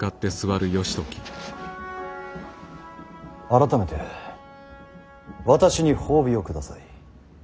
改めて私に褒美を下さい。